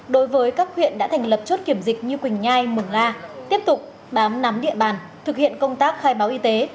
đối với các huyện đã thành lập chốt kiểm dịch như quỳnh nhai mường la tiếp tục bám nắm địa bàn thực hiện công tác khai báo y tế